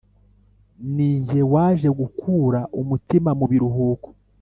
Ninjye waje gukura umutima mu biruhuko